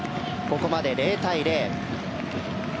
ここまで０対０。